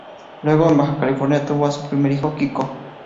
Luego, en Baja California, tuvo a su primer hijo, Kiko.